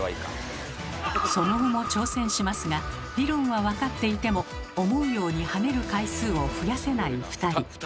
その後も挑戦しますが理論は分かっていても思うように跳ねる回数を増やせない２人。